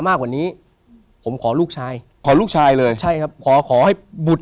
มากกว่านี้ผมขอลูกชายขอลูกชายเลยใช่ครับขอขอให้บุตร